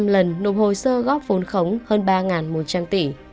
năm lần nộp hồ sơ góp phốn khống hơn ba một trăm linh tỷ